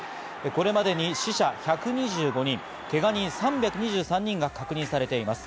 これまでに死者１２５人、けが人３２３人が確認されています。